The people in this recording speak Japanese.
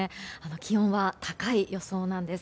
気温は高い予想なんです。